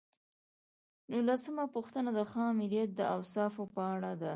نولسمه پوښتنه د ښه آمریت د اوصافو په اړه ده.